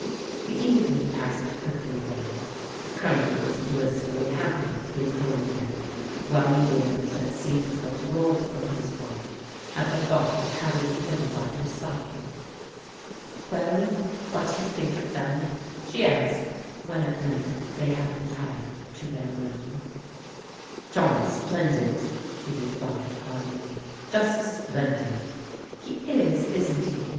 The evening passed quickly away. The Colonel was blissfully happy at being at home again, while years had seemed to have rolled from his wife at the thought of having him by her side. "Well, what do you think of them?" she asked, when at length they had retired to their room. 20 PBODIGAL DAUQHTEBS *' John's splendid,*' he replied heartily, " just splendid. He is, isn't he